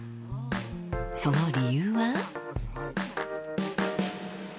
その理由は。